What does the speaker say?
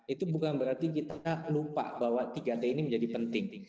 itu bukan berarti kita lupa bahwa tiga t ini menjadi penting